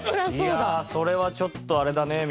いやあそれはちょっとあれだねみたいな。